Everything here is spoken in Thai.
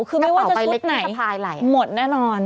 คือไม่ว่าจะชุดไหนหมดแน่นอน